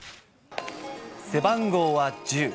背番号は１０。